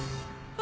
あ！